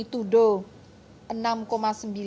dengan posisi yang masih sama yaitu